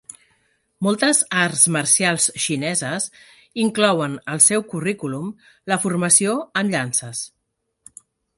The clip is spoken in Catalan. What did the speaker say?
Moltes arts marcials xineses inclouen al seu currículum la formació amb llances.